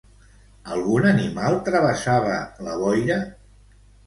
Algun animal travessava la boira?